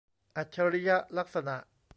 อัจฉริยลักษณะ